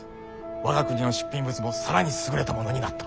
我が国の出品物も更に優れたものになった。